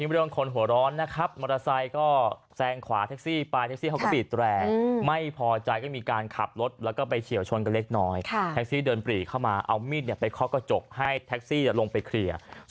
เอาไปต่อทิ้งบริ